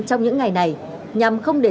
trong những ngày này nhằm không để